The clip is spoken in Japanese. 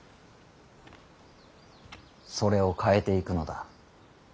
それを変えていくのだ。